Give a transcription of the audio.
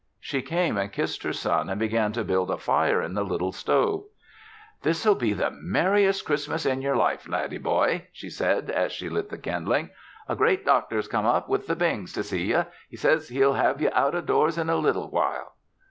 She came and kissed her son and began to build a fire in the little stove. "This'll be the merriest Christmas in yer life, laddie boy," she said, as she lit the kindlings. "A great doctor has come up with the Bings to see ye. He says he'll have ye out o' doors in a little while."